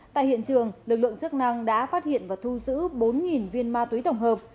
tại hiện trường lực lượng chức năng đã phát hiện và thu giữ bốn viên ma túy tổng hợp